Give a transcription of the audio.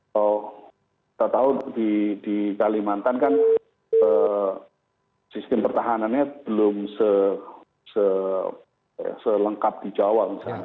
kalau kita tahu di kalimantan kan sistem pertahanannya belum selengkap di jawa misalnya